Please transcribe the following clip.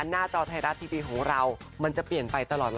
หน้าจอไทยรัฐทีวีของเรามันจะเปลี่ยนไปตลอด